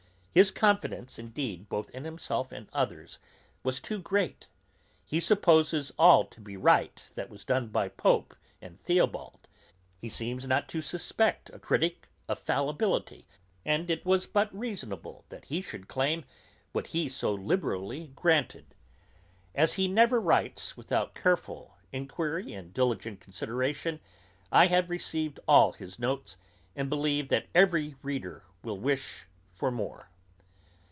His confidence indeed, both in himself and others, was too great; he supposes all to be right that was done by Pope and Theobald; he seems not to suspect a critick of fallibility, and it was but reasonable that he should claim what he so liberally granted. As he never writes without careful enquiry and diligent consideration, I have received all his notes, and believe that every reader will wish for more.